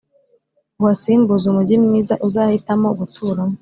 uhasimbuze umujyi mwiza uzahitamo guturamo!